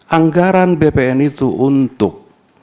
anggaran bpn itu untuk